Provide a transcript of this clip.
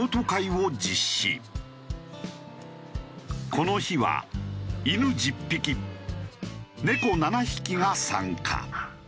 この日は犬１０匹猫７匹が参加。